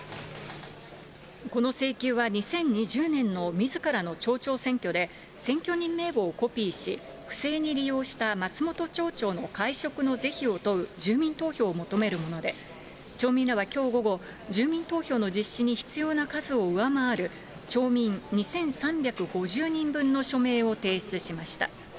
この請求は２０２０年のみずからの町長選挙で、選挙人名簿をコピーし、不正に利用した松本町長の解職の是非を問う住民投票を求めるもので、町民らはきょう午後、住民投票の実施に必要な数を上回る町民２３５０人分の署名を提出しました。